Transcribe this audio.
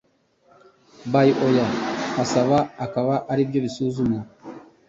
by ayo asaba akaba aribyo bisuzumwa